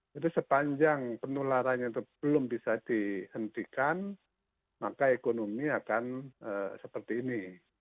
jadi sepanjang penularan itu belum bisa dihentikan maka ekonomi akan seperti ini